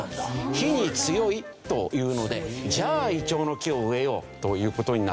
火に強いというのでじゃあイチョウの木を植えようという事になった。